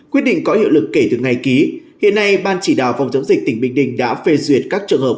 quyết định có hiệu lực kể từ ngày ký hiện nay ban chỉ đạo phòng chống dịch tỉnh bình định đã phê duyệt các trường hợp